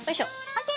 ＯＫ。